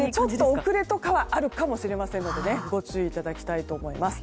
遅れとかはあるかもしれないのでご注意いただきたいと思います。